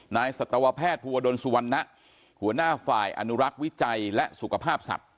สัตวแพทย์ภูวดลสุวรรณะหัวหน้าฝ่ายอนุรักษ์วิจัยและสุขภาพสัตว